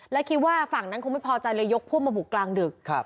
และคิดว่าฝั่งนั้นคงไม่พอใจเลยยกพวกมาบุกกลางดึก